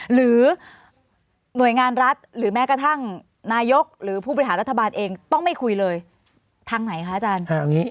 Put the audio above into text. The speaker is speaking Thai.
หรือหน่วยงานรัฐหรือแม้กระทั่งนายกหรือผู้บริหารรัฐบาลเองต้องไม่คุยเลยทางไหนคะอาจารย์